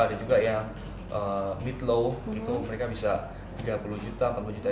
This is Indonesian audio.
ada juga yang mid low itu mereka bisa tiga puluh juta empat puluh juta